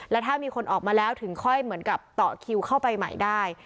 แล้วถ้ามีคนออกมาแล้วถึงค่อยเหมือนกับต่อคิวเข้าไปใหม่ได้